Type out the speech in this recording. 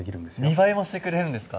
２倍もしてくれるんですか？